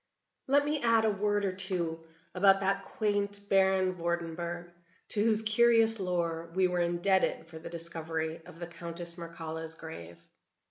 Let me add a word or two about that quaint Baron Vordenburg, to whose curious lore we were indebted for the discovery of the Countess Mircalla's grave.